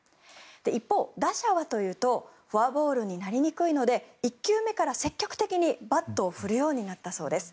一方、打者はというとフォアボールになりにくいので１球目から積極的にバットを振るようになったそうです。